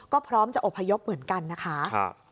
ก็พร้อมจะอบพยพเหมือนกันนะคะ